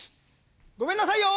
ごめんなさいよ。